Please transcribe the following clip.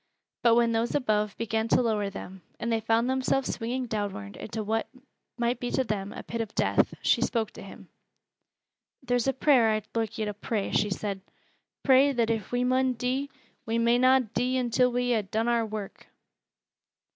But when those above began to lower them, and they found themselves swinging downward into what might be to them a pit of death, she spoke to him. "Theer's a prayer I'd loike yo' to pray," she said. "Pray that if we mun dee, we may na dee until we ha' done our work."